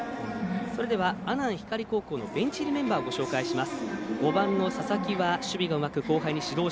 それでは阿南光高校のベンチ入りメンバーです。